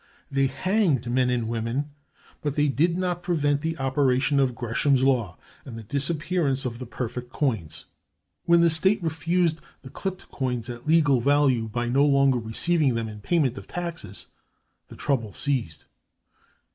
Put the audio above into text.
They hanged men and women, but they did not prevent the operation of Gresham's law and the disappearance of the perfect coins. When the state refused the clipped coins at legal value, by no longer receiving them in payment of taxes, the trouble ceased.